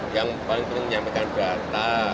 yang paling penting menyampaikan data